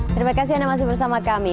terima kasih anda masih bersama kami